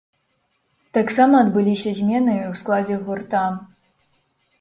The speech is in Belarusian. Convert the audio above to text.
Таксама адбыліся змены і ў складзе гурта.